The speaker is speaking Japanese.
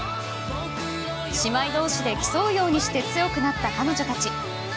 姉妹同士で競うようにして強くなった彼女たち。